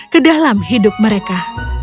ke dalam hidup mereka